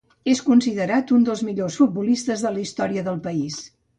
És considerat un dels millors futbolistes de la història del país.